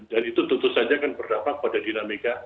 dan itu tentu saja akan berdapat pada